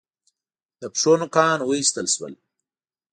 د پښو نوکان و ایستل شول.